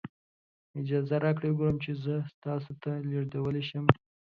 اجازه راکړئ وګورم چې زه تاسو ته لیږدولی شم.